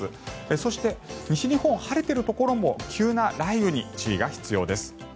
そして、西日本晴れているところも急な雷雨に注意が必要です。